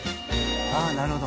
ああなるほど。